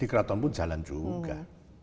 di keraton pun jalan juga